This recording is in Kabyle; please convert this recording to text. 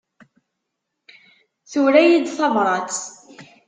Tura-yi-d tabrat.